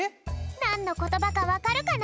なんのことばかわかるかな？